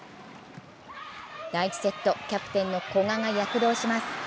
第１セット、キャプテンの古賀が躍動します。